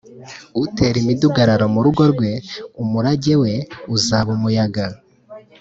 utera imidugararo mu rugo rwe umurage we uzaba umuyaga